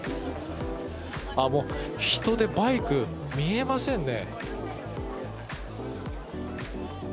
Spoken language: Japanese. もう人でバイク、見えませんね。